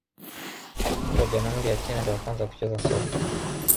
Watu wa jamhuri ya China ndio wa kwanza kucheza soka